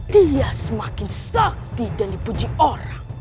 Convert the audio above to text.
dia semakin sakti dan dipuji orang